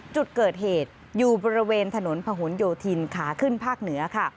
จุดเกิดเหตุอยู่บริเวณถนนพะหนโยธินขาขึ้นภาคเหนือค่ะ